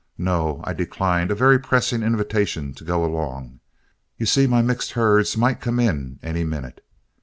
No; I declined a very pressing invitation to go along you see my mixed herds might come in any minute.